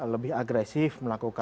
lebih agresif melakukan